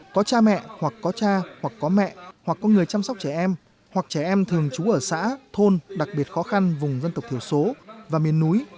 có cha mẹ hoặc có cha hoặc có mẹ hoặc có người chăm sóc trẻ em hoặc trẻ em thường trú ở xã thôn đặc biệt khó khăn vùng dân tộc thiểu số và miền núi